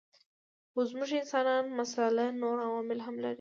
خو زموږ انساني مساله نور عوامل هم لري.